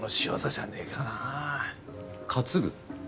担ぐ？